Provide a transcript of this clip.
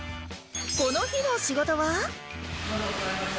この日の仕事は